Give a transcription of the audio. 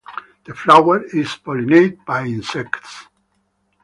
The flower is pollinated by insects.